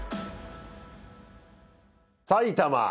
埼玉。